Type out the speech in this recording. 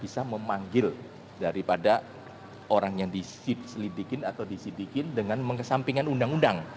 bisa memanggil daripada orang yang diselidikin atau disidikin dengan mengesampingkan undang undang